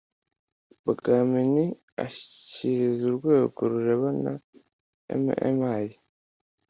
bwa mmi ashyikiriza urwego rureberera mmi